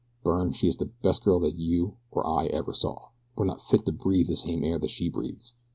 Byrne, she is the best girl that you or I ever saw we're not fit to breathe the same air that she breathes.